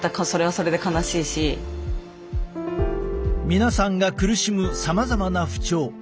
皆さんが苦しむさまざまな不調。